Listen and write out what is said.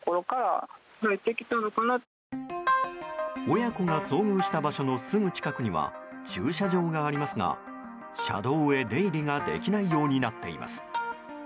親子が遭遇した場所のすぐ近くには駐車場がありますが車道へ出入りができないようになっています。